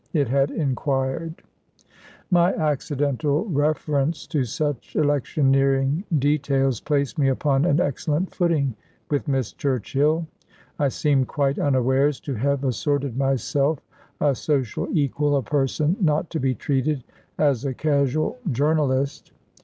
it had inquired. My accidental reference to such electioneering details placed me upon an excellent footing with Miss Churchill. I seemed quite unawares to have asserted myself a social equal, a person not to be treated as a casual journalist.